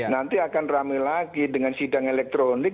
nanti akan rame lagi dengan sidang elektronik